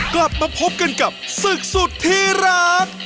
กลับมาพบกันกับศึกสุดที่รัก